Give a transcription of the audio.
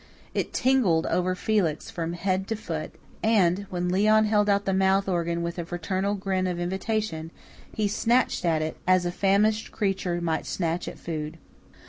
It tingled over Felix from head to foot; and, when Leon held out the mouth organ with a fraternal grin of invitation, he snatched at it as a famished creature might snatch at food.